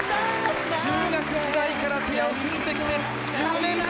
中学時代からペアを組んできて、１０年目。